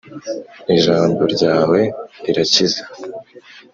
ijambo rya we rirakiza.